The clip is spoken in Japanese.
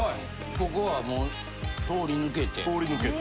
ここはもう通り抜けて。